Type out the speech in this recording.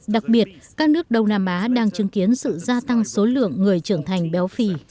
đặc biệt các nước đông nam á đang chứng kiến sự gia tăng số lượng người trưởng thành béo phì